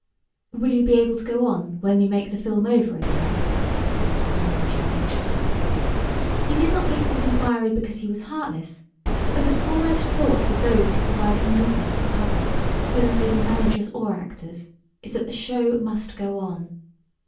"Will you be able to go on, when we make the film over again?" asked the manager anxiously. He did not make this inquiry because he was heartless, but the foremost thought with those who provide amusement for the public whether they be managers or actors is that "the show must go on."